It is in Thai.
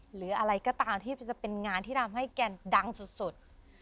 หรืออะไรก็ตามที่จะเป็นงานที่ทำให้แกดังสุด